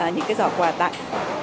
những cái giỏ quà tặng